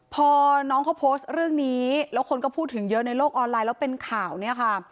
พอน้องเขาโพสต์เรื่องนี้แล้วคนก็พูดถึงเยอะในโลกออนไลน์แล้วเป็นข่าวเนี่ยค่ะ